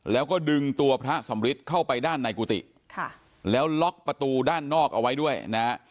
แล้วก็ดึงตัวพระสำริทเข้าไปด้านในกุฏิค่ะแล้วล็อกประตูด้านนอกเอาไว้ด้วยนะฮะ